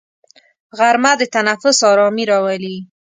غرمه د تنفس ارامي راولي